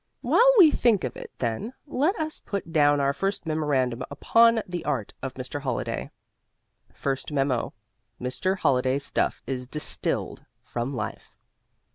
While we think of it, then, let us put down our first memorandum upon the art of Mr. Holliday: First Memo Mr. Holliday's stuff is distilled from life!